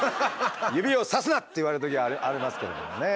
「指をさすな」って言われる時ありますけれどもね。